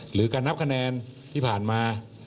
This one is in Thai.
หรือการนับคะแนนที่ผ่านมา